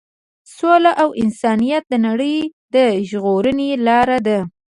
سوله او انسانیت د نړۍ د ژغورنې لار ده.